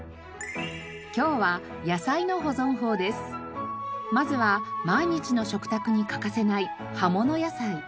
今日はまずは毎日の食卓に欠かせない葉もの野菜。